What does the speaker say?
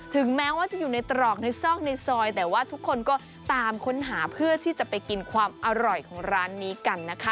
ถึงแม้ว่าจะอยู่ในตรอกในซอกในซอยแต่ว่าทุกคนก็ตามค้นหาเพื่อที่จะไปกินความอร่อยของร้านนี้กันนะคะ